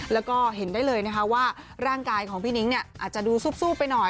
แล้วก็เห็นได้เลยนะคะว่าร่างกายของพี่นิ้งเนี่ยอาจจะดูซูบไปหน่อย